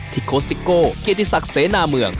โคสิโก้เกียรติศักดิ์เสนาเมือง